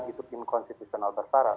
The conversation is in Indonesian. hidup inkonstitusional bersara